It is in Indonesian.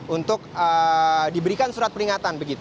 untuk diberikan surat peringatan